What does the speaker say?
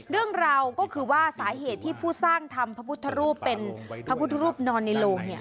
เรื่องราวก็คือว่าสาเหตุที่ผู้สร้างทำพระพุทธรูปเป็นพระพุทธรูปนอนในโลง